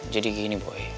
jadi gini boy